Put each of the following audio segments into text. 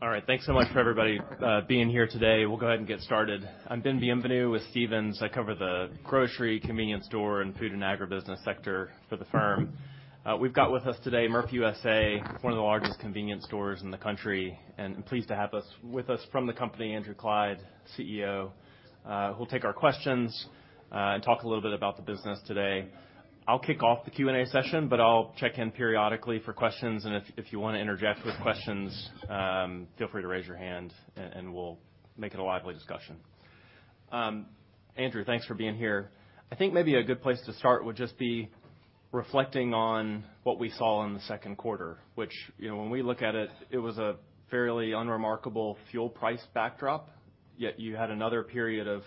All right. Thanks so much for everybody being here today. We'll go ahead and get started. I'm Ben Bienvenu with Stephens. I cover the grocery, convenience store, and food and agribusiness sector for the firm. We've got with us today Murphy USA, one of the largest convenience stores in the country, and I'm pleased to have with us from the company, Andrew Clyde, CEO, who'll take our questions and talk a little bit about the business today. I'll kick off the Q&A session, but I'll check in periodically for questions. And if you wanna interject with questions, feel free to raise your hand, and we'll make it a lively discussion. Andrew, thanks for being here. I think maybe a good place to start would just be reflecting on what we saw in the second quarter, which, you know, when we look at it, it was a fairly unremarkable fuel price backdrop, yet you had another period of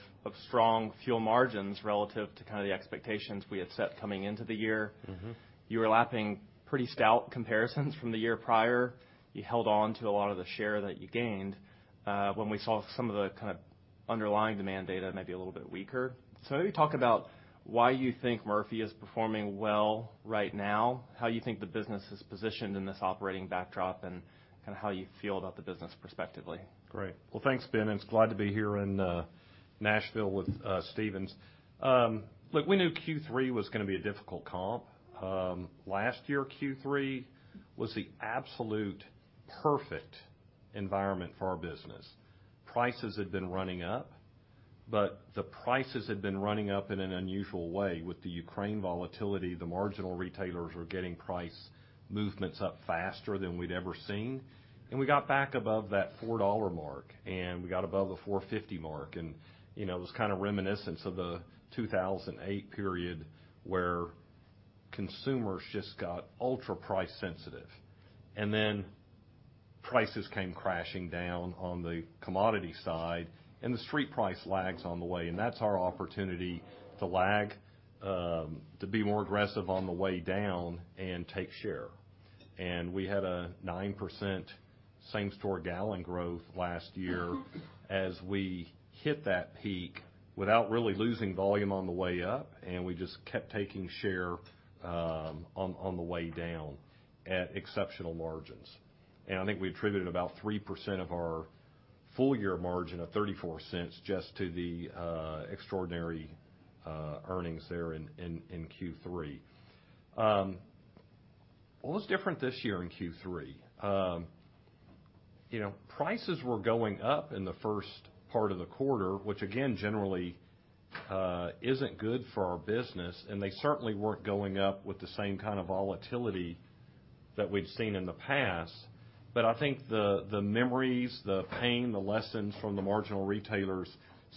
strong fuel margins relative to kinda the expectations we had set coming into the year. Mm-hmm. You were lapping pretty stout comparisons from the year prior. You held on to a lot of the share that you gained when we saw some of the kinda underlying demand data maybe a little bit weaker, so maybe talk about why you think Murphy is performing well right now, how you think the business is positioned in this operating backdrop, and kinda how you feel about the business prospectively. Great. Well, thanks, Ben. It's great to be here in Nashville with Stephens. Look, we knew Q3 was gonna be a difficult comp. Last year, Q3 was the absolute perfect environment for our business. Prices had been running up, but the prices had been running up in an unusual way. With the Ukraine volatility, the marginal retailers were getting price movements up faster than we'd ever seen. And we got back above that $4 mark, and we got above the $4.50 mark. And, you know, it was kinda reminiscent of the 2008 period where consumers just got ultra price sensitive. And then prices came crashing down on the commodity side, and the street price lags on the way. And that's our opportunity to lag, to be more aggressive on the way down and take share. We had a 9% same-store gallon growth last year as we hit that peak without really losing volume on the way up, and we just kept taking share on the way down at exceptional margins. I think we attributed about 3% of our full-year margin of $0.34 just to the extraordinary earnings there in Q3. It's different this year in Q3. You know, prices were going up in the first part of the quarter, which again, generally, isn't good for our business, and they certainly weren't going up with the same kinda volatility that we'd seen in the past. I think the memories, the pain, the lessons from the marginal retailers,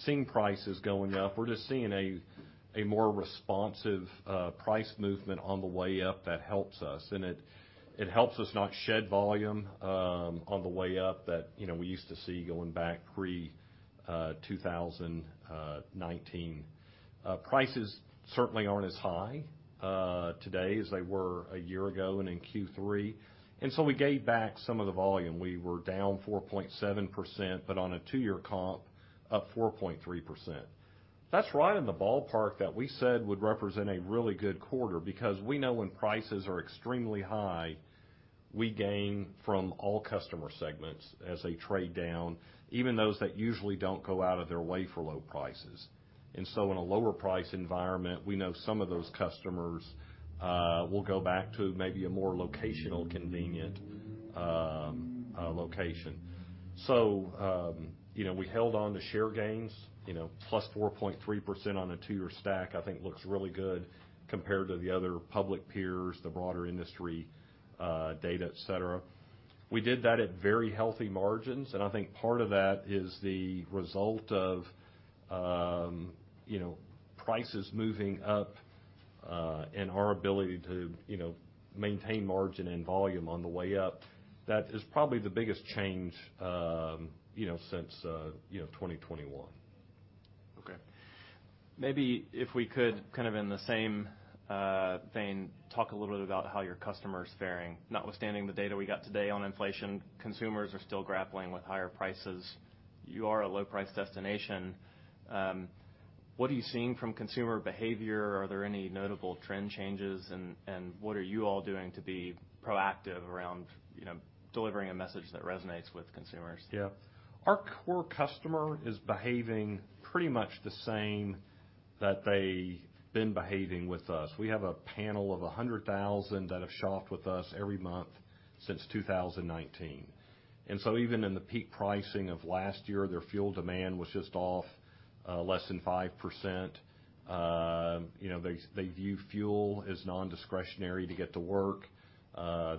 seeing prices going up, we're just seeing a more responsive price movement on the way up that helps us. And it helps us not shed volume on the way up that you know we used to see going back pre-2019. Prices certainly aren't as high today as they were a year ago and in Q3. And so we gave back some of the volume. We were down 4.7%, but on a two-year comp up 4.3%. That's right in the ballpark that we said would represent a really good quarter because we know when prices are extremely high we gain from all customer segments as they trade down, even those that usually don't go out of their way for low prices. And so in a lower-price environment we know some of those customers will go back to maybe a more locational convenient location. You know, we held on to share gains, you know, plus 4.3% on a two-year stack. I think looks really good compared to the other public peers, the broader industry, data, etc. We did that at very healthy margins, and I think part of that is the result of, you know, prices moving up, and our ability to, you know, maintain margin and volume on the way up. That is probably the biggest change, you know, since, you know, 2021. Okay. Maybe if we could kind of in the same vein, talk a little bit about how your customer's faring. Notwithstanding the data we got today on inflation, consumers are still grappling with higher prices. You are a low-price destination. What are you seeing from consumer behavior? Are there any notable trend changes? And what are you all doing to be proactive around, you know, delivering a message that resonates with consumers? Yeah. Our core customer is behaving pretty much the same that they've been behaving with us. We have a panel of 100,000 that have shopped with us every month since 2019, and so even in the peak pricing of last year, their fuel demand was just off less than 5%. You know, they view fuel as non-discretionary to get to work.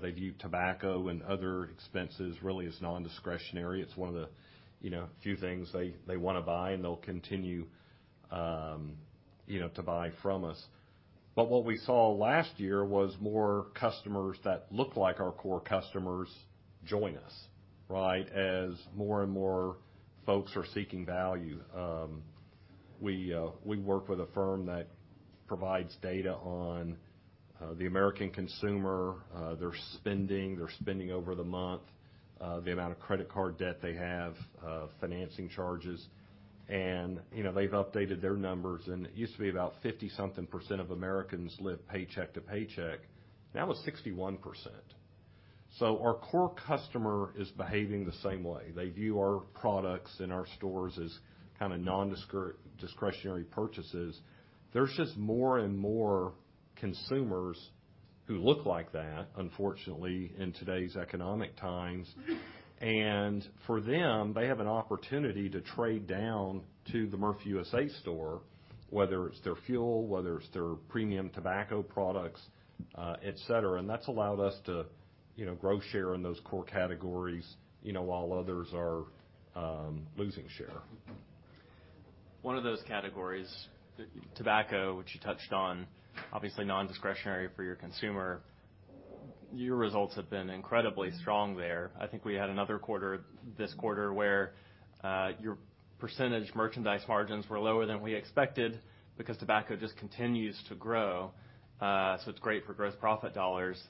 They view tobacco and other expenses really as non-discretionary. It's one of the, you know, few things they wanna buy, and they'll continue, you know, to buy from us, but what we saw last year was more customers that look like our core customers join us, right, as more and more folks are seeking value. We work with a firm that provides data on the American consumer, their spending over the month, the amount of credit card debt they have, financing charges. You know, they've updated their numbers, and it used to be about 50-something% of Americans live paycheck to paycheck. Now it's 61%. So our core customer is behaving the same way. They view our products and our stores as kinda non-discretionary purchases. There's just more and more consumers who look like that, unfortunately, in today's economic times. For them, they have an opportunity to trade down to the Murphy USA store, whether it's their fuel, whether it's their premium tobacco products, etc. That's allowed us to, you know, grow share in those core categories, you know, while others are losing share. One of those categories, tobacco, which you touched on, obviously non-discretionary for your consumer. Your results have been incredibly strong there. I think we had another quarter this quarter where, your percentage merchandise margins were lower than we expected because tobacco just continues to grow. So it's great for gross profit dollars.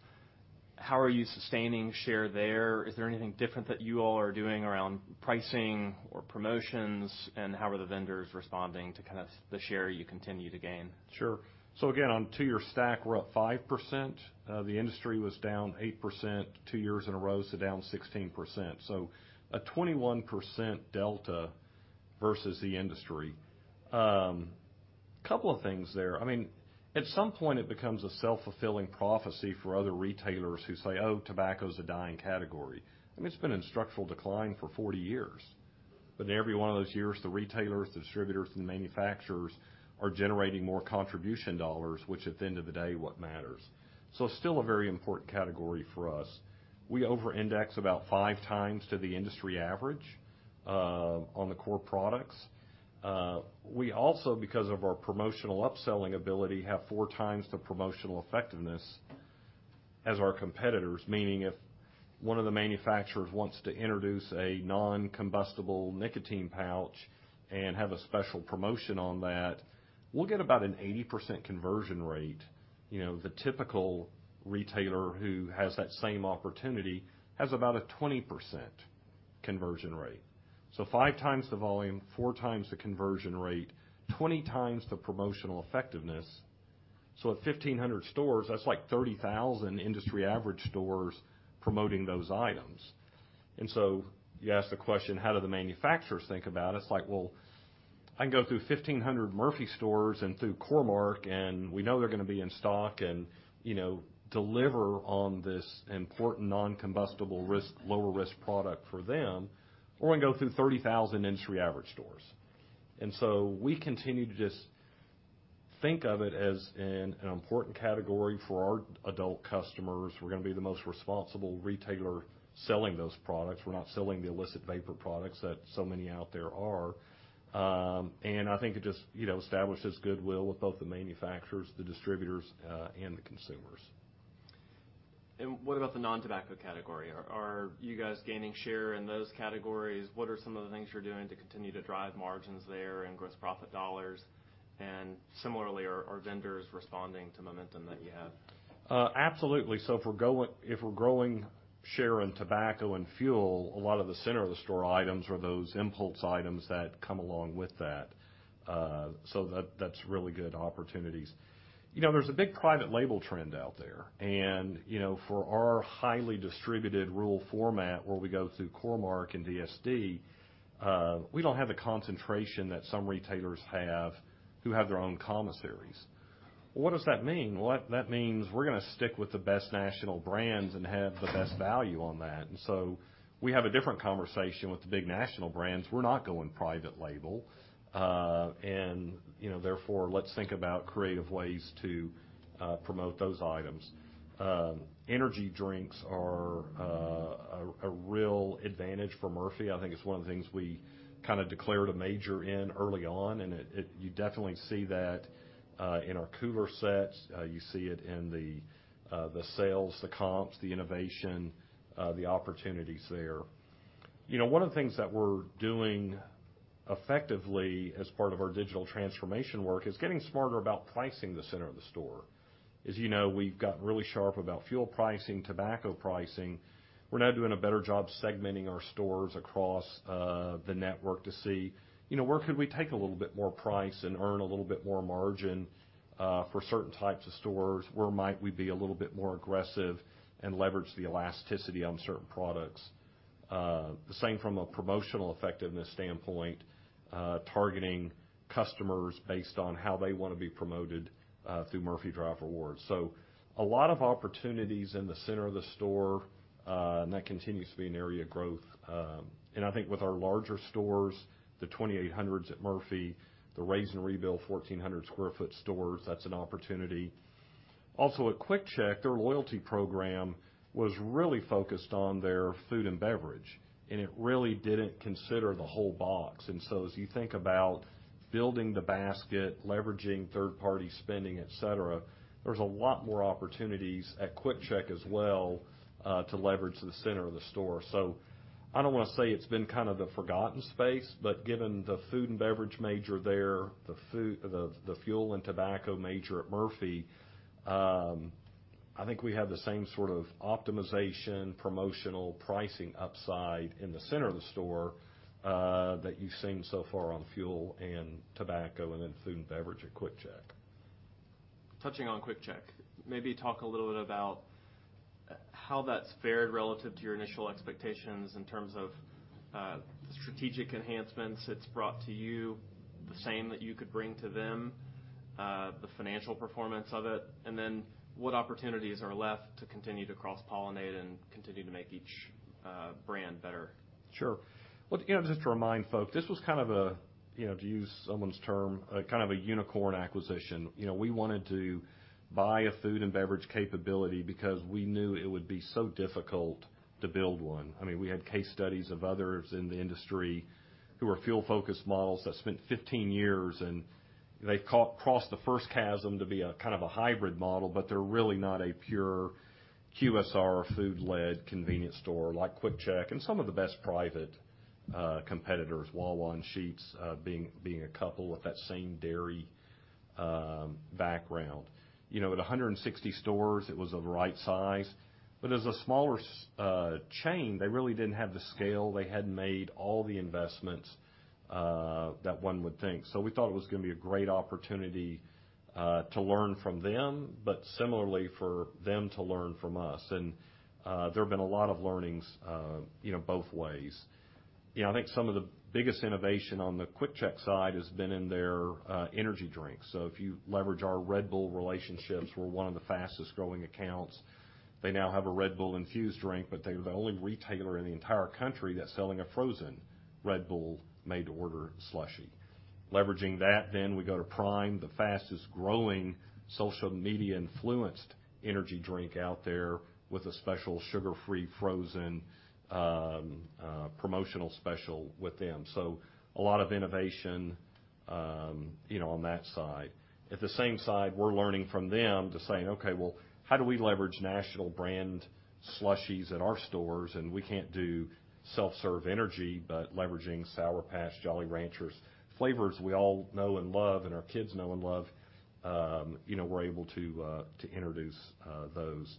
How are you sustaining share there? Is there anything different that you all are doing around pricing or promotions, and how are the vendors responding to kinda the share you continue to gain? Sure. So again, on two-year stack, we're up 5%. The industry was down 8% two years in a row, so down 16%. So a 21% delta versus the industry. Couple of things there. I mean, at some point, it becomes a self-fulfilling prophecy for other retailers who say, "Oh, tobacco's a dying category." I mean, it's been in structural decline for 40 years. But in every one of those years, the retailers, the distributors, and the manufacturers are generating more contribution dollars, which at the end of the day, what matters? So it's still a very important category for us. We over-index about five times to the industry average, on the core products. We also, because of our promotional upselling ability, have four times the promotional effectiveness as our competitors, meaning if one of the manufacturers wants to introduce a noncombustible nicotine pouch and have a special promotion on that, we'll get about an 80% conversion rate. You know, the typical retailer who has that same opportunity has about a 20% conversion rate. So five times the volume, four times the conversion rate, 20 times the promotional effectiveness. So at 1,500 stores, that's like 30,000 industry-average stores promoting those items. And so you ask the question, how do the manufacturers think about it? It's like, well, I can go through 1,500 Murphy stores and through Core-Mark, and we know they're gonna be in stock and, you know, deliver on this important noncombustible risk, lower-risk product for them. Or I can go through 30,000 industry-average stores. And so we continue to just think of it as an important category for our adult customers. We're gonna be the most responsible retailer selling those products. We're not selling the illicit vapor products that so many out there are. And I think it just, you know, establishes goodwill with both the manufacturers, the distributors, and the consumers. And what about the non-tobacco category? Are you guys gaining share in those categories? What are some of the things you're doing to continue to drive margins there and gross profit dollars? And similarly, are vendors responding to momentum that you have? Absolutely. So if we're growing share in tobacco and fuel, a lot of the center-of-the-store items are those impulse items that come along with that. So that's really good opportunities. You know, there's a big private label trend out there. And, you know, for our highly-distributed rural format, where we go through Core-Mark and DSD, we don't have the concentration that some retailers have who have their own commissaries. What does that mean? Well, that means we're gonna stick with the best national brands and have the best value on that. And so we have a different conversation with the big national brands. We're not going private label. And, you know, therefore, let's think about creative ways to promote those items. Energy drinks are a real advantage for Murphy. I think it's one of the things we kinda declared a major in early on, and it. You definitely see that in our cooler sets. You see it in the sales, the comps, the innovation, the opportunities there. You know, one of the things that we're doing effectively as part of our digital transformation work is getting smarter about pricing the center of the store. As you know, we've gotten really sharp about fuel pricing, tobacco pricing. We're now doing a better job segmenting our stores across the network to see, you know, where could we take a little bit more price and earn a little bit more margin for certain types of stores? Where might we be a little bit more aggressive and leverage the elasticity on certain products? The same from a promotional effectiveness standpoint, targeting customers based on how they wanna be promoted, through Murphy Drive Rewards. So a lot of opportunities in the center of the store, and that continues to be an area of growth. And I think with our larger stores, the 2,800s at Murphy, the raze and rebuild 1,400 sq ft stores, that's an opportunity. Also, at QuickChek, their loyalty program was really focused on their food and beverage, and it really didn't consider the whole box. And so as you think about building the basket, leveraging third-party spending, etc., there's a lot more opportunities at QuickChek as well, to leverage the center of the store. I don't wanna say it's been kinda the forgotten space, but given the food and beverage major there, the food, the fuel and tobacco major at Murphy, I think we have the same sort of optimization, promotional pricing upside in the center of the store, that you've seen so far on fuel and tobacco and then food and beverage at QuickChek. Touching on QuickChek, maybe talk a little bit about how that's fared relative to your initial expectations in terms of the strategic enhancements it's brought to you, the same that you could bring to them, the financial performance of it, and then what opportunities are left to continue to cross-pollinate and continue to make each brand better. Sure. Well, you know, just to remind folks, this was kind of a, you know, to use someone's term, kind of a unicorn acquisition. You know, we wanted to buy a food and beverage capability because we knew it would be so difficult to build one. I mean, we had case studies of others in the industry who are fuel-focused models that spent 15 years, and they've crossed the first chasm to be a kind of a hybrid model, but they're really not a pure QSR food-led convenience store like QuickChek and some of the best private competitors, Wawa and Sheetz, being a couple with that same dairy background. You know, at 160 stores, it was of the right size. But as a smaller chain, they really didn't have the scale. They hadn't made all the investments that one would think. We thought it was gonna be a great opportunity to learn from them, but similarly for them to learn from us. There have been a lot of learnings, you know, both ways. You know, I think some of the biggest innovation on the QuickChek side has been in their energy drinks. If you leverage our Red Bull relationships, we're one of the fastest-growing accounts. They now have a Red Bull infused drink, but they're the only retailer in the entire country that's selling a frozen Red Bull made-to-order slushy. Leveraging that, then we go to Prime, the fastest-growing social media-influenced energy drink out there with a special sugar-free frozen promotional special with them. A lot of innovation, you know, on that side. On the same side, we're learning from them to say, "Okay, well, how do we leverage national brand slushies at our stores?" And we can't do self-serve energy, but leveraging Sour Patch Kids, Jolly Ranchers, flavors we all know and love and our kids know and love, you know, we're able to introduce those.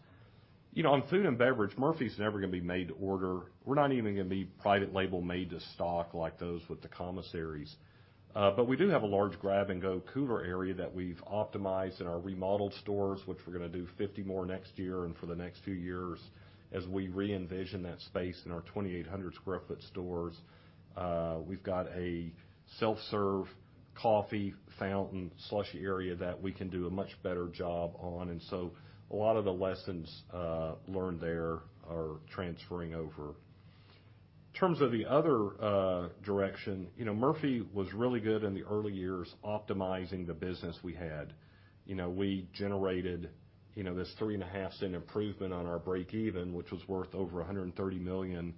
You know, on food and beverage, Murphy's never gonna be made-to-order. We're not even gonna be private label made-to-stock like those with the commissaries, but we do have a large grab-and-go cooler area that we've optimized in our remodeled stores, which we're gonna do 50 more next year and for the next few years as we re-envision that space in our 2,800 sq ft stores. We've got a self-serve coffee fountain slushy area that we can do a much better job on, and so a lot of the lessons learned there are transferring over. In terms of the other direction, you know, Murphy was really good in the early years optimizing the business we had. You know, we generated, you know, this three-and-a-half-cent improvement on our break-even, which was worth over $130 million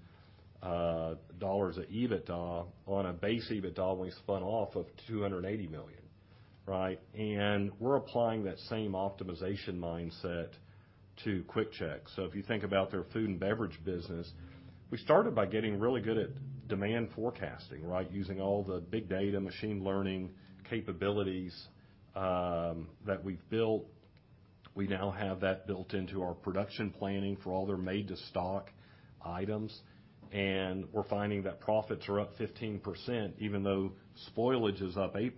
dollars at EBITDA on a base EBITDA when we spun off of $280 million, right? And we're applying that same optimization mindset to QuickChek. So if you think about their food and beverage business, we started by getting really good at demand forecasting, right, using all the big data machine learning capabilities that we've built. We now have that built into our production planning for all their made-to-stock items. And we're finding that profits are up 15%, even though spoilage is up 8%,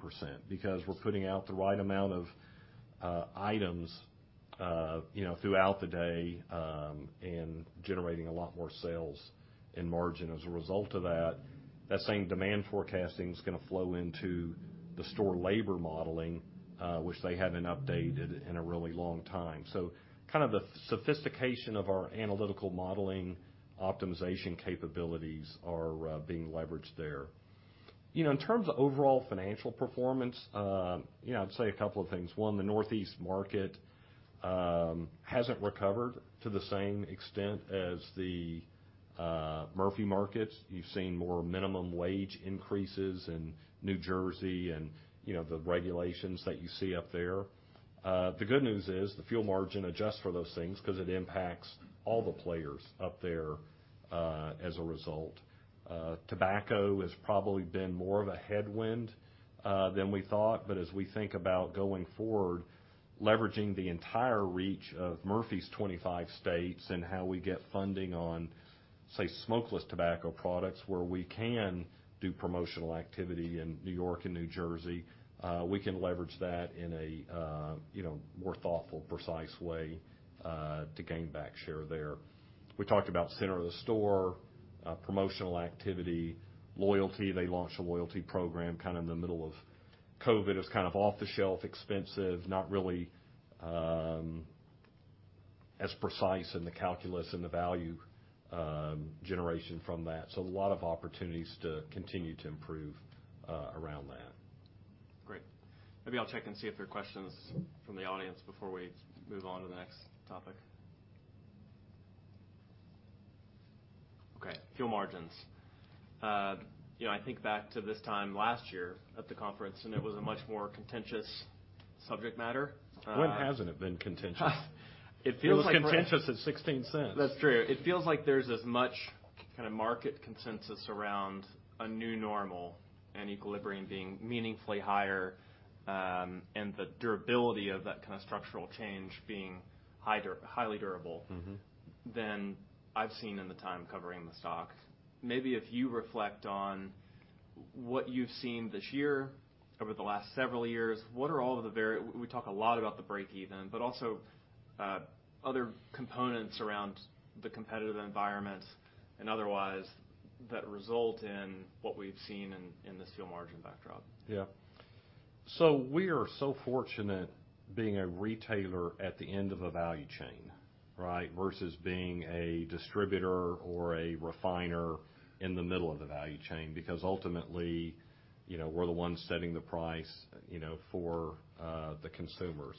because we're putting out the right amount of items, you know, throughout the day, and generating a lot more sales and margin as a result of that. That same demand forecasting's gonna flow into the store labor modeling, which they haven't updated in a really long time. So kind of the sophistication of our analytical modeling optimization capabilities are, being leveraged there. You know, in terms of overall financial performance, you know, I'd say a couple of things. One, the Northeast market, hasn't recovered to the same extent as the, Murphy markets. You've seen more minimum wage increases in New Jersey and, you know, the regulations that you see up there. The good news is the fuel margin adjusts for those things 'cause it impacts all the players up there, as a result. Tobacco has probably been more of a headwind, than we thought. But as we think about going forward, leveraging the entire reach of Murphy's 25 states and how we get funding on, say, smokeless tobacco products where we can do promotional activity in New York and New Jersey, we can leverage that in a, you know, more thoughtful, precise way, to gain back share there. We talked about center-of-the-store, promotional activity, loyalty. They launched a loyalty program kinda in the middle of COVID. It was kind of off-the-shelf, expensive, not really, as precise in the calculus and the value, generation from that. So a lot of opportunities to continue to improve, around that. Great. Maybe I'll check and see if there are questions from the audience before we move on to the next topic. Okay. Fuel margins. You know, I think back to this time last year at the conference, and it was a much more contentious subject matter. When hasn't it been contentious? It feels contentious at $0.16. That's true. It feels like there's as much kinda market consensus around a new normal and equilibrium being meaningfully higher, and the durability of that kinda structural change being highly durable. Mm-hmm. than I've seen in the time covering the stock. Maybe if you reflect on what you've seen this year over the last several years, what are all the variables we talk a lot about the break-even, but also, other components around the competitive environment and otherwise that result in what we've seen in this fuel margin backdrop. Yeah. We are so fortunate being a retailer at the end of a value chain, right, versus being a distributor or a refiner in the middle of the value chain because ultimately, you know, we're the ones setting the price, you know, for the consumers.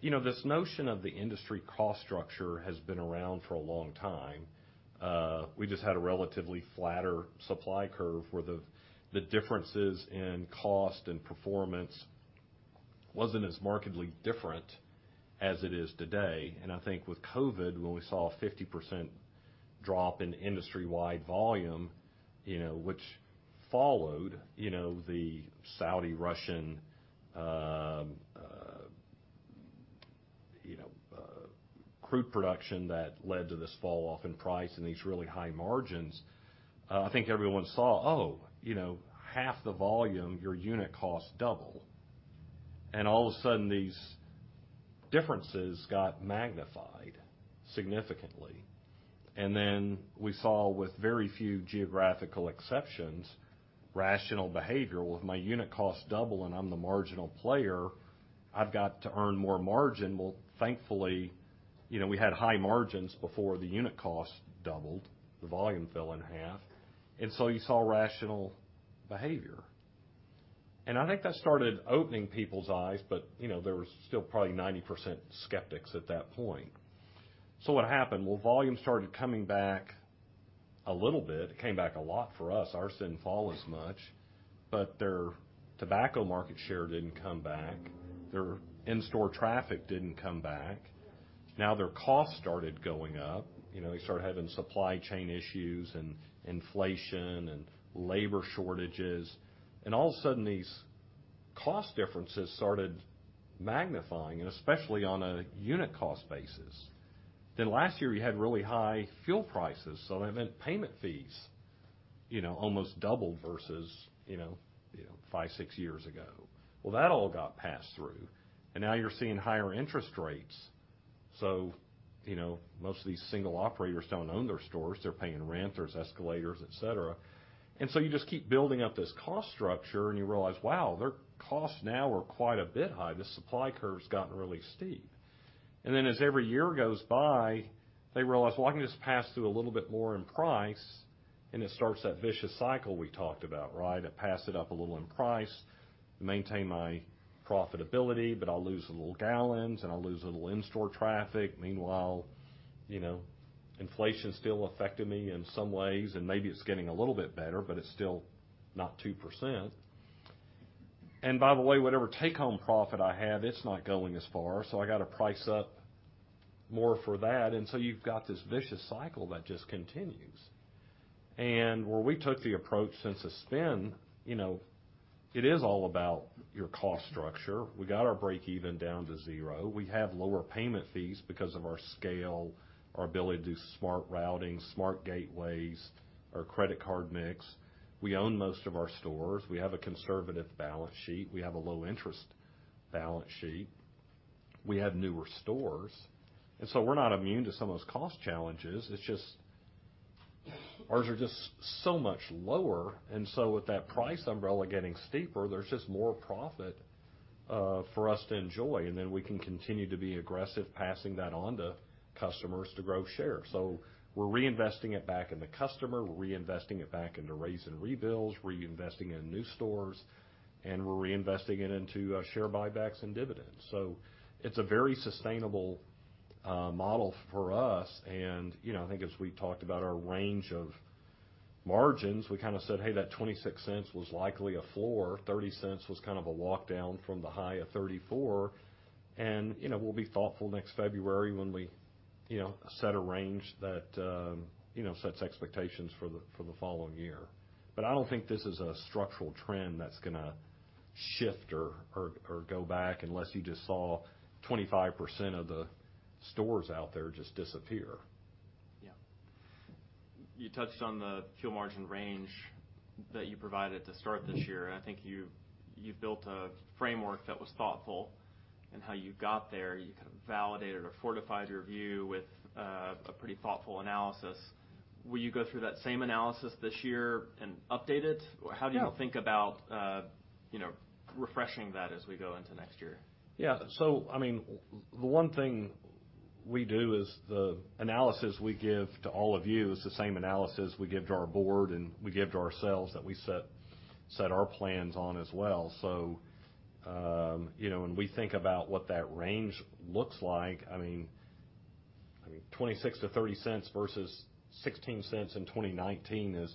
You know, this notion of the industry cost structure has been around for a long time. We just had a relatively flatter supply curve where the differences in cost and performance wasn't as markedly different as it is today. I think with COVID, when we saw a 50% drop in industry-wide volume, you know, which followed, you know, the Saudi-Russian, you know, crude production that led to this falloff in price and these really high margins, I think everyone saw, "Oh, you know, half the volume, your unit costs double." All of a sudden, these differences got magnified significantly. And then we saw, with very few geographical exceptions, rational behavior. Well, if my unit costs double and I'm the marginal player, I've got to earn more margin. Well, thankfully, you know, we had high margins before the unit costs doubled. The volume fell in half. And so you saw rational behavior. And I think that started opening people's eyes, but, you know, there was still probably 90% skeptics at that point. So what happened? Well, volume started coming back a little bit. It came back a lot for us. Ours didn't fall as much, but their tobacco market share didn't come back. Their in-store traffic didn't come back. Now their costs started going up. You know, they started having supply chain issues and inflation and labor shortages. And all of a sudden, these cost differences started magnifying, and especially on a unit cost basis. Then last year, you had really high fuel prices. So that meant payment fees, you know, almost doubled versus, you know, you know, five, six years ago. Well, that all got passed through. And now you're seeing higher interest rates. So, you know, most of these single operators don't own their stores. They're paying rent or escalators, etc. And so you just keep building up this cost structure, and you realize, "Wow, their costs now are quite a bit high. This supply curve's gotten really steep." And then as every year goes by, they realize, "Well, I can just pass through a little bit more in price." And it starts that vicious cycle we talked about, right? I pass it up a little in price, maintain my profitability, but I'll lose a little gallons, and I'll lose a little in-store traffic. Meanwhile, you know, inflation's still affecting me in some ways, and maybe it's getting a little bit better, but it's still not 2%, and by the way, whatever take-home profit I have, it's not going as far, so I gotta price up more for that, and so you've got this vicious cycle that just continues, and where we took the approach since the spin, you know, it is all about your cost structure. We got our break-even down to zero. We have lower payment fees because of our scale, our ability to do smart routing, smart gateways, our credit card mix. We own most of our stores. We have a conservative balance sheet. We have a low-interest balance sheet. We have newer stores, and so we're not immune to some of those cost challenges. It's just ours are just so much lower. With that price umbrella getting steeper, there's just more profit for us to enjoy. Then we can continue to be aggressive, passing that on to customers to grow shares. We're reinvesting it back in the customer. We're reinvesting it back into razing rebuilds, reinvesting in new stores, and we're reinvesting it into share buybacks and dividends. It's a very sustainable model for us. You know, I think as we talked about our range of margins, we kinda said, "Hey, that $0.26 was likely a floor. $0.30 was kind of a walk down from the high of $0.34." You know, we'll be thoughtful next February when we set a range that sets expectations for the following year. But I don't think this is a structural trend that's gonna shift or go back unless you just saw 25% of the stores out there just disappear. Yeah. You touched on the fuel margin range that you provided to start this year. I think you've built a framework that was thoughtful in how you got there. You kinda validated or fortified your view with a pretty thoughtful analysis. Will you go through that same analysis this year and update it? Or how do you think about, you know, refreshing that as we go into next year? Yeah. So, I mean, the one thing we do is the analysis we give to all of you is the same analysis we give to our board and we give to ourselves that we set our plans on as well. So, you know, when we think about what that range looks like, I mean, $0.26-$0.30 versus $0.16 in 2019 is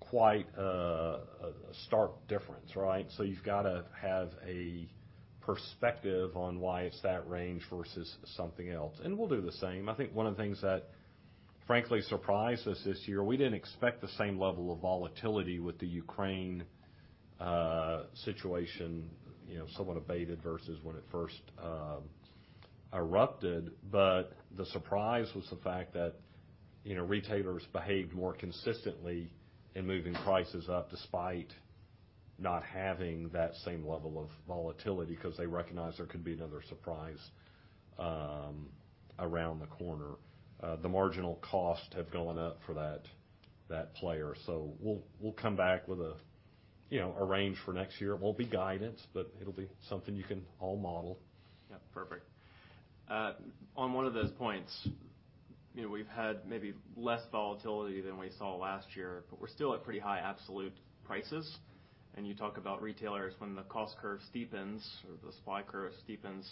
quite a stark difference, right? So you've gotta have a perspective on why it's that range versus something else. And we'll do the same. I think one of the things that frankly surprised us this year, we didn't expect the same level of volatility with the Ukraine situation, you know, somewhat abated versus when it first erupted. But the surprise was the fact that, you know, retailers behaved more consistently in moving prices up despite not having that same level of volatility 'cause they recognize there could be another surprise around the corner. The marginal costs have gone up for that player. So we'll come back with a, you know, a range for next year. It won't be guidance, but it'll be something you can all model. Yep. Perfect. On one of those points, you know, we've had maybe less volatility than we saw last year, but we're still at pretty high absolute prices. And you talk about retailers. When the cost curve steepens or the supply curve steepens,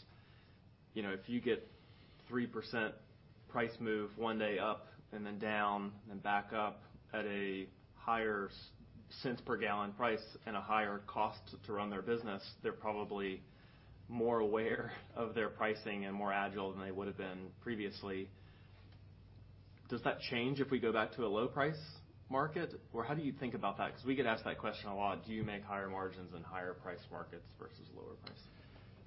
you know, if you get 3% price move one day up and then down and then back up at a higher cents per gallon price and a higher cost to run their business, they're probably more aware of their pricing and more agile than they would've been previously. Does that change if we go back to a low-price market? Or how do you think about that? 'Cause we get asked that question a lot. Do you make higher margins in higher-priced markets versus lower-priced?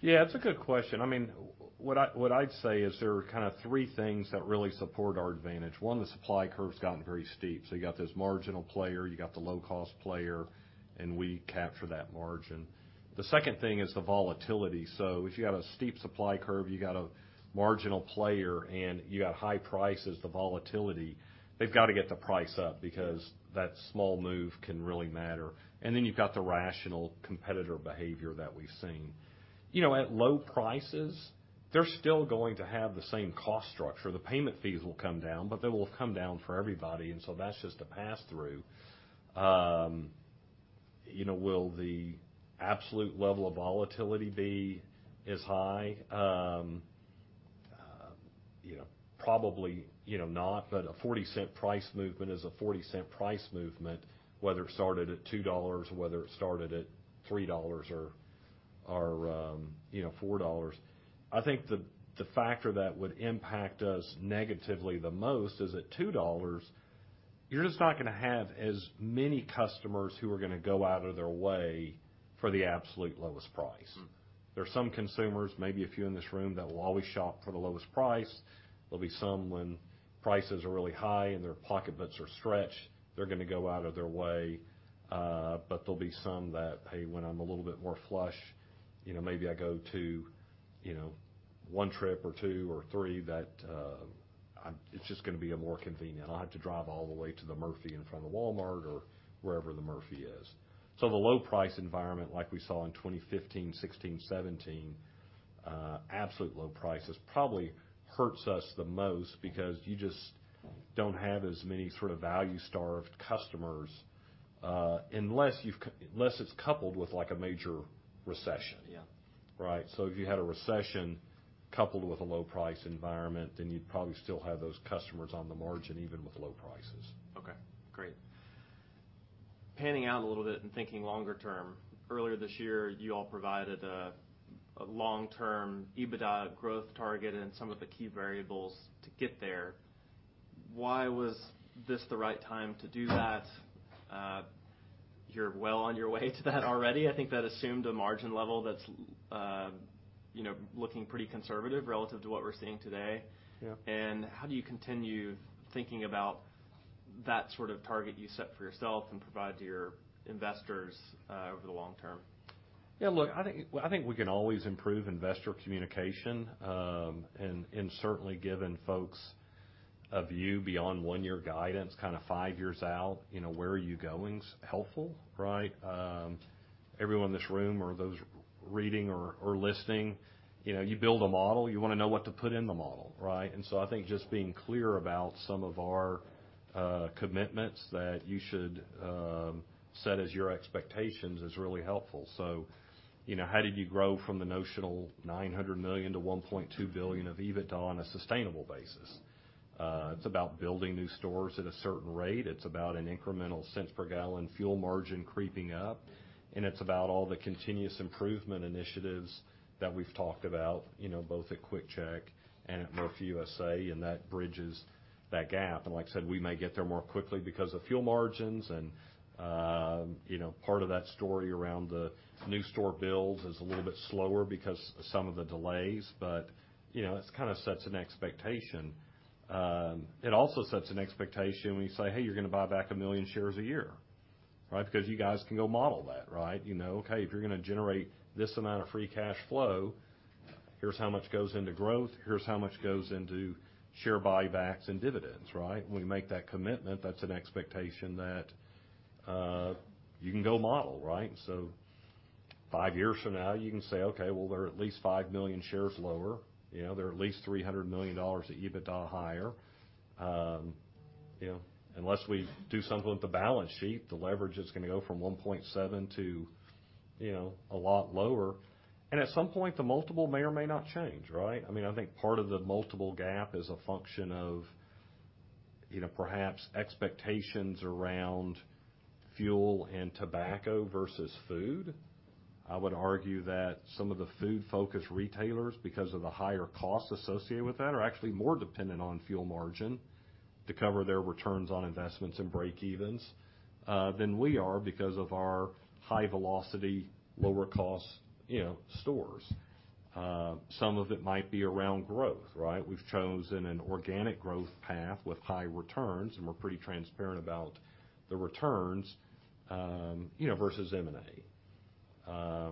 Yeah. That's a good question. I mean, what I'd say is there are kinda three things that really support our advantage. One, the supply curve's gotten very steep. So you got this marginal player. You got the low-cost player, and we capture that margin. The second thing is the volatility. So if you got a steep supply curve, you got a marginal player, and you got high prices, the volatility, they've gotta get the price up because that small move can really matter. And then you've got the rational competitor behavior that we've seen. You know, at low prices, they're still going to have the same cost structure. The payment fees will come down, but they will have come down for everybody. And so that's just a pass-through. You know, will the absolute level of volatility be as high? You know, probably, you know, not. A $0.40 price movement is a $0.40 price movement, whether it started at $2 or whether it started at $3 or you know $4. I think the factor that would impact us negatively the most is at $2, you're just not gonna have as many customers who are gonna go out of their way for the absolute lowest price. Mm-hmm. There's some consumers, maybe a few in this room, that will always shop for the lowest price. There'll be some when prices are really high and their pocketbooks are stretched, they're gonna go out of their way. But there'll be some that, "Hey, when I'm a little bit more flush, you know, maybe I go to, you know, one trip or two or three that, it's just gonna be more convenient. I'll have to drive all the way to the Murphy in front of the Walmart or wherever the Murphy is." So the low-price environment, like we saw in 2015, 2016, 2017, absolute low prices probably hurts us the most because you just don't have as many sort of value-starved customers, unless it's coupled with, like, a major recession. Yeah. Right? So if you had a recession coupled with a low-price environment, then you'd probably still have those customers on the margin even with low prices. Okay. Great. Panning out a little bit and thinking longer term, earlier this year, you all provided a long-term EBITDA growth target and some of the key variables to get there. Why was this the right time to do that? You're well on your way to that already. I think that assumed a margin level that's, you know, looking pretty conservative relative to what we're seeing today. Yeah. How do you continue thinking about that sort of target you set for yourself and provide to your investors, over the long term? Yeah. Look, I think we can always improve investor communication, and certainly given folks' view beyond one-year guidance, kinda five years out, you know, "Where are you going?" is helpful, right? Everyone in this room or those reading or listening, you know, you build a model. You wanna know what to put in the model, right? And so I think just being clear about some of our commitments that you should set as your expectations is really helpful. So, you know, how did you grow from the notional $900 million-$1.2 billion of EBITDA on a sustainable basis? It's about building new stores at a certain rate. It's about an incremental cents per gallon fuel margin creeping up. And it's about all the continuous improvement initiatives that we've talked about, you know, both at QuickChek and at Murphy USA. And that bridges that gap. And like I said, we may get there more quickly because of fuel margins. And, you know, part of that story around the new store builds is a little bit slower because of some of the delays. But, you know, it kinda sets an expectation. It also sets an expectation when you say, "Hey, you're gonna buy back a million shares a year," right? Because you guys can go model that, right? You know, "Okay. If you're gonna generate this amount of free cash flow, here's how much goes into growth. Here's how much goes into share buybacks and dividends," right? When we make that commitment, that's an expectation that, you can go model, right? So five years from now, you can say, "Okay. Well, they're at least five million shares lower. You know, they're at least $300 million at EBITDA higher, you know, unless we do something with the balance sheet, the leverage is gonna go from 1.7 to, you know, a lot lower, and at some point, the multiple may or may not change, right? I mean, I think part of the multiple gap is a function of, you know, perhaps expectations around fuel and tobacco versus food. I would argue that some of the food-focused retailers, because of the higher costs associated with that, are actually more dependent on fuel margin to cover their returns on investments and break-evens, than we are because of our high-velocity, lower-cost, you know, stores, some of it might be around growth, right? We've chosen an organic growth path with high returns, and we're pretty transparent about the returns, you know, versus M&A.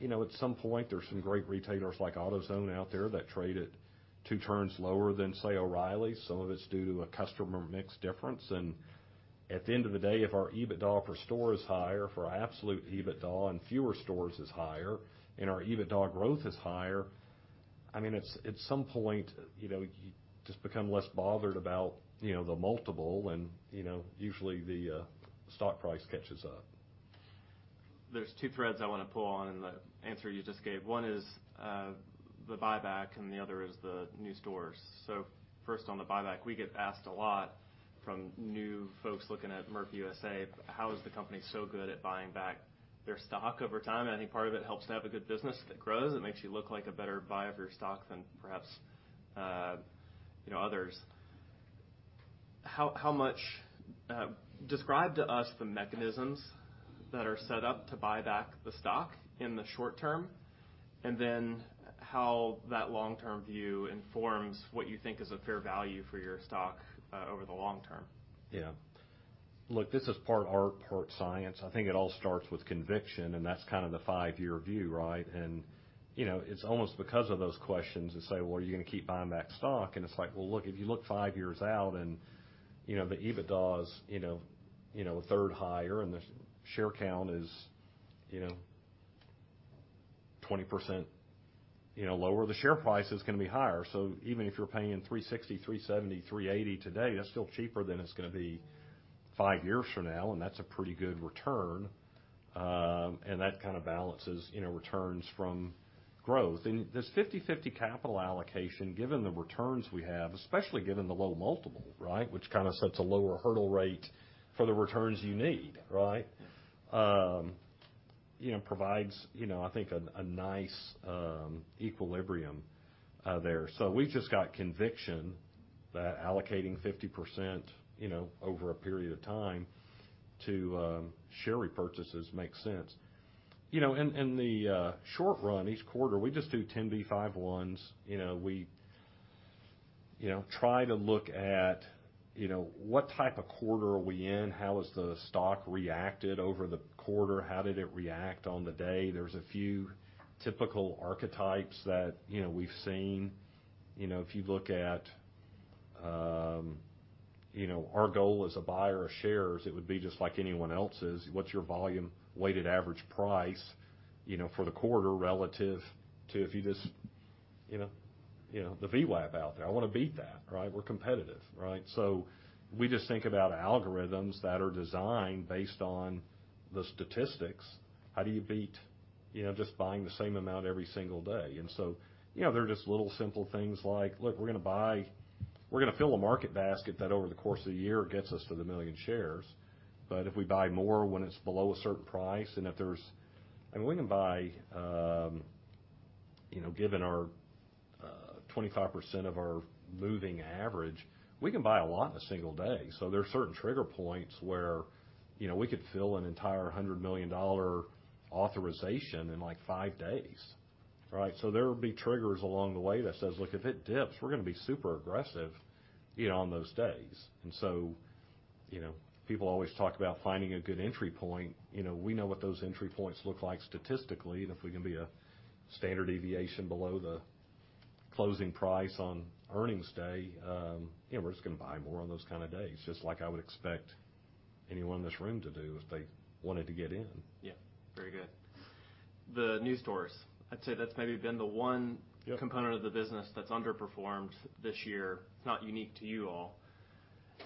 You know, at some point, there's some great retailers like AutoZone out there that trade at two turns lower than, say, O'Reilly. Some of it's due to a customer mix difference. And at the end of the day, if our EBITDA per store is higher, if our absolute EBITDA in fewer stores is higher, and our EBITDA growth is higher, I mean, at some point, you know, you just become less bothered about, you know, the multiple. And, you know, usually the, stock price catches up. There's two threads I wanna pull on in the answer you just gave. One is, the buyback, and the other is the new stores. So first, on the buyback, we get asked a lot from new folks looking at Murphy USA, "How is the company so good at buying back their stock over time?" And I think part of it helps to have a good business that grows. It makes you look like a better buyer for your stock than perhaps, you know, others. How much, describe to us the mechanisms that are set up to buy back the stock in the short term, and then how that long-term view informs what you think is a fair value for your stock, over the long term. Yeah. Look, this is part art, part science. I think it all starts with conviction, and that's kinda the five-year view, right? And, you know, it's almost because of those questions to say, "Well, are you gonna keep buying back stock?" And it's like, "Well, look, if you look five years out and, you know, the EBITDA is, you know, you know, a third higher and the share count is, you know, 20%, you know, lower, the share price is gonna be higher." So even if you're paying $360, $370, $380 today, that's still cheaper than it's gonna be five years from now. And that's a pretty good return, and that kinda balances, you know, returns from growth. This 50/50 capital allocation, given the returns we have, especially given the low multiple, right, which kinda sets a lower hurdle rate for the returns you need, right, you know, provides, you know, I think, a nice equilibrium there. So we've just got conviction that allocating 50%, you know, over a period of time to share repurchases makes sense. You know, in the short run, each quarter, we just do 10b5-1s. You know, we, you know, try to look at, you know, what type of quarter are we in? How has the stock reacted over the quarter? How did it react on the day? There's a few typical archetypes that, you know, we've seen. You know, if you look at, you know, our goal as a buyer of shares, it would be just like anyone else's. What's your volume-weighted average price, you know, for the quarter relative to if you just, you know, the VWAP out there? I wanna beat that, right? We're competitive, right? So we just think about algorithms that are designed based on the statistics. How do you beat, you know, just buying the same amount every single day? And so, you know, there are just little simple things like, "Look, we're gonna buy, we're gonna fill a market basket that over the course of the year gets us to the million shares. But if we buy more when it's below a certain price and if there's I mean, we can buy, you know, given our, 25% of our moving average, we can buy a lot in a single day." So there are certain trigger points where, you know, we could fill an entire $100 million authorization in, like, five days, right? So there'll be triggers along the way that says, "Look, if it dips, we're gonna be super aggressive, you know, on those days." And so, you know, people always talk about finding a good entry point. You know, we know what those entry points look like statistically. And if we can be a standard deviation below the closing price on earnings day, you know, we're just gonna buy more on those kinda days, just like I would expect anyone in this room to do if they wanted to get in. Yeah. Very good. The new stores. I'd say that's maybe been the one. Yeah. Component of the business that's underperformed this year. It's not unique to you all.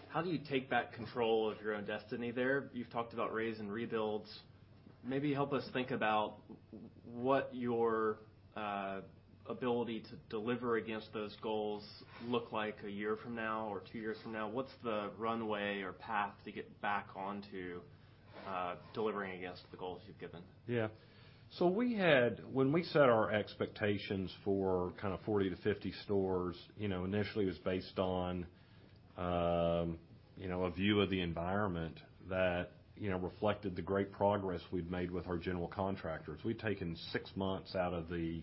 How do you take back control of your own destiny there? You've talked about razing rebuilds. Maybe help us think about what your ability to deliver against those goals look like a year from now or two years from now. What's the runway or path to get back onto delivering against the goals you've given? Yeah. So we had when we set our expectations for kinda 40-50 stores, you know, initially it was based on, you know, a view of the environment that, you know, reflected the great progress we'd made with our general contractors. We'd taken six months out of the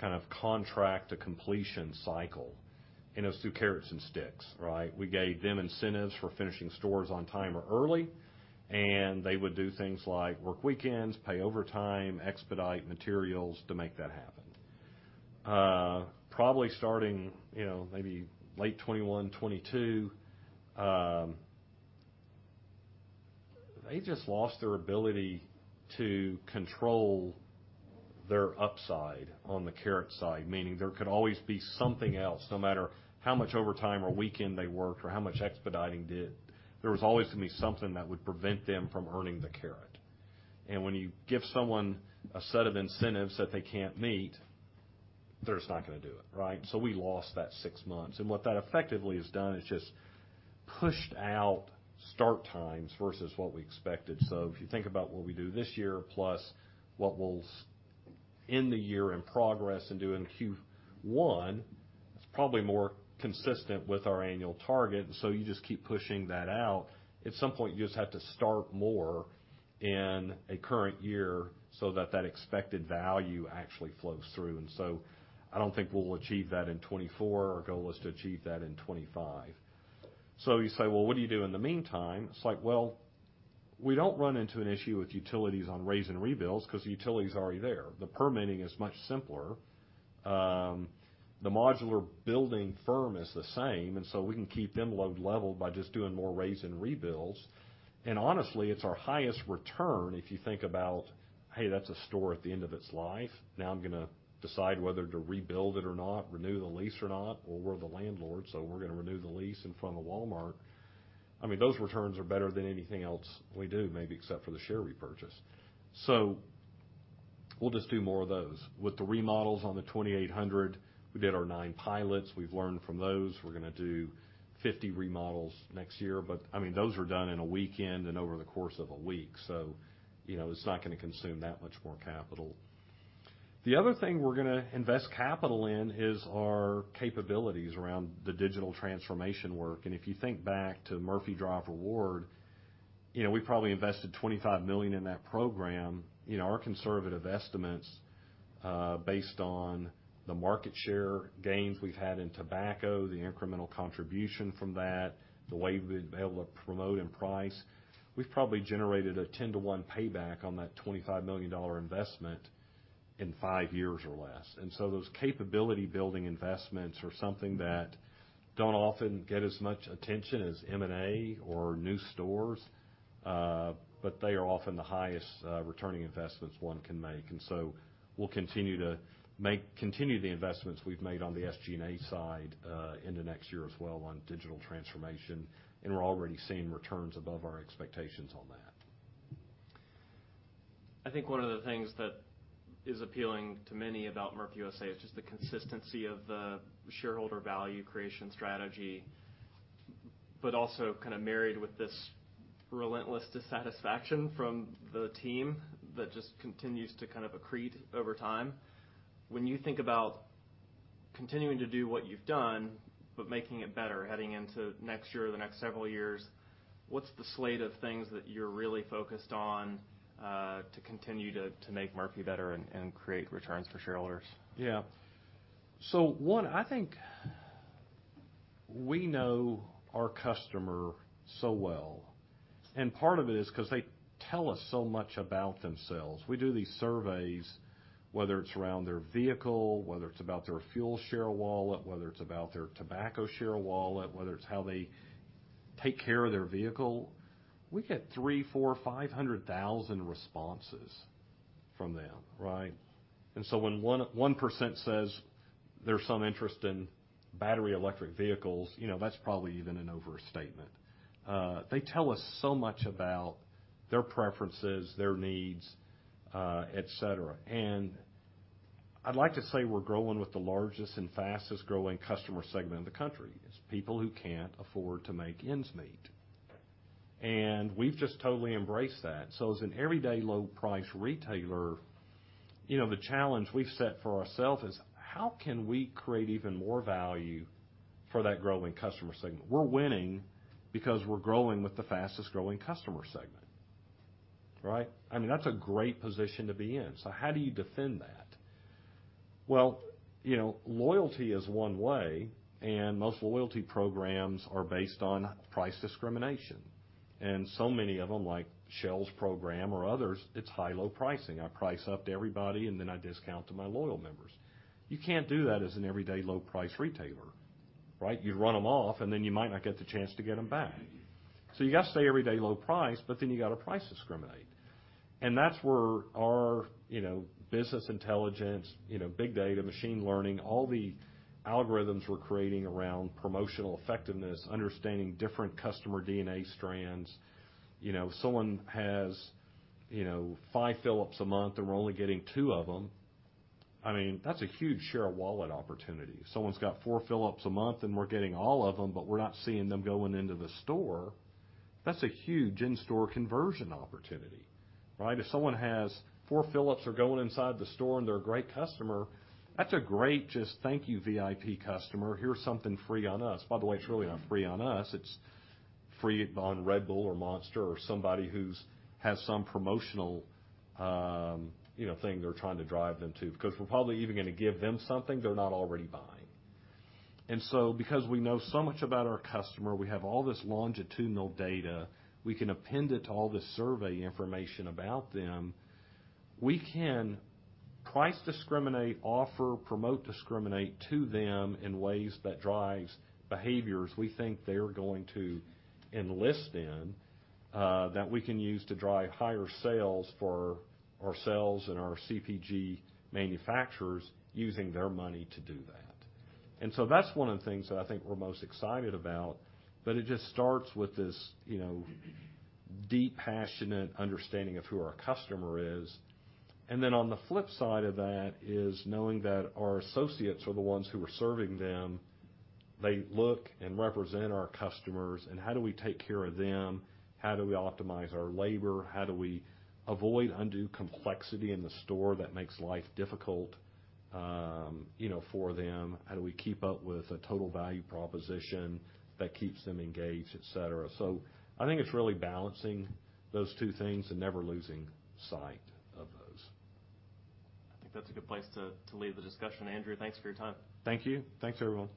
kind of contract to completion cycle. And it was through carrots and sticks, right? We gave them incentives for finishing stores on time or early, and they would do things like work weekends, pay overtime, expedite materials to make that happen. Probably starting, you know, maybe late 2021, 2022, they just lost their ability to control their upside on the carrot side, meaning there could always be something else, no matter how much overtime or weekend they worked or how much expediting did. There was always gonna be something that would prevent them from earning the carrot. And when you give someone a set of incentives that they can't meet, they're just not gonna do it, right? So we lost that six months. And what that effectively has done is just pushed out start times versus what we expected. So if you think about what we do this year plus what we'll in the year in progress and do in Q1, it's probably more consistent with our annual target. And so you just keep pushing that out. At some point, you just have to start more in a current year so that that expected value actually flows through. And so I don't think we'll achieve that in 2024. Our goal is to achieve that in 2025. So you say, "Well, what do you do in the meantime?" It's like, "Well, we don't run into an issue with utilities on razing rebuilds 'cause the utility's already there. The permitting is much simpler. The modular building firm is the same. And so we can keep them load leveled by just doing more razing rebuilds, and honestly, it's our highest return if you think about, "Hey, that's a store at the end of its life. Now I'm gonna decide whether to rebuild it or not, renew the lease or not, or we're the landlord. So we're gonna renew the lease in front of Walmart." I mean, those returns are better than anything else we do, maybe except for the share repurchase. So we'll just do more of those. With the remodels on the 2,800, we did our nine pilots. We've learned from those. We're gonna do 50 remodels next year. But I mean, those are done in a weekend and over the course of a week. So, you know, it's not gonna consume that much more capital. The other thing we're gonna invest capital in is our capabilities around the digital transformation work. And if you think back to Murphy Drive Reward, you know, we probably invested $25 million in that program. You know, our conservative estimates, based on the market share gains we've had in tobacco, the incremental contribution from that, the way we've been able to promote and price, we've probably generated a 10-to-1 payback on that $25 million investment in five years or less. And so those capability-building investments are something that don't often get as much attention as M&A or new stores, but they are often the highest, returning investments one can make. And so we'll continue to make the investments we've made on the SG&A side, into next year as well on digital transformation. And we're already seeing returns above our expectations on that. I think one of the things that is appealing to many about Murphy USA is just the consistency of the shareholder value creation strategy, but also kinda married with this relentless dissatisfaction from the team that just continues to kind of accrete over time. When you think about continuing to do what you've done but making it better heading into next year or the next several years, what's the slate of things that you're really focused on, to continue to make Murphy better and create returns for shareholders? Yeah. So one, I think we know our customer so well. And part of it is 'cause they tell us so much about themselves. We do these surveys, whether it's around their vehicle, whether it's about their fuel share wallet, whether it's about their tobacco share wallet, whether it's how they take care of their vehicle. We get three, four, 500,000 responses from them, right? And so when 1.1% says there's some interest in battery electric vehicles, you know, that's probably even an overstatement. They tell us so much about their preferences, their needs, etc. And I'd like to say we're growing with the largest and fastest growing customer segment in the country. It's people who can't afford to make ends meet. And we've just totally embraced that. So as an everyday low-price retailer, you know, the challenge we've set for ourselves is how can we create even more value for that growing customer segment? We're winning because we're growing with the fastest growing customer segment, right? I mean, that's a great position to be in. So how do you defend that? Well, you know, loyalty is one way, and most loyalty programs are based on price discrimination. And so many of them, like Shell's program or others, it's high-low pricing. I price up to everybody, and then I discount to my loyal members. You can't do that as an everyday low-price retailer, right? You'd run them off, and then you might not get the chance to get them back. So you gotta stay everyday low price, but then you gotta price discriminate. And that's where our, you know, business intelligence, you know, big data, machine learning, all the algorithms we're creating around promotional effectiveness, understanding different customer DNA strands. You know, if someone has, you know, five fills a month and we're only getting two of them, I mean, that's a huge share of wallet opportunity. If someone's got four fills a month and we're getting all of them, but we're not seeing them going into the store, that's a huge in-store conversion opportunity, right? If someone has four fills are going inside the store and they're a great customer, that's a great just, "Thank you, VIP customer. Here's something free on us." By the way, it's really not free on us. It's free on Red Bull or Monster or somebody who has some promotional, you know, thing they're trying to drive them to because we're probably even gonna give them something they're not already buying. And so because we know so much about our customer, we have all this longitudinal data. We can append it to all this survey information about them. We can price discriminate, offer, promote discriminate to them in ways that drives behaviors we think they're going to enlist in, that we can use to drive higher sales for ourselves and our CPG manufacturers using their money to do that. And so that's one of the things that I think we're most excited about. But it just starts with this, you know, deep, passionate understanding of who our customer is. And then on the flip side of that is knowing that our associates are the ones who are serving them. They look and represent our customers. And how do we take care of them? How do we optimize our labor? How do we avoid, undo complexity in the store that makes life difficult, you know, for them? How do we keep up with a total value proposition that keeps them engaged, etc.? So I think it's really balancing those two things and never losing sight of those. I think that's a good place to leave the discussion. Andrew, thanks for your time. Thank you. Thanks, everyone.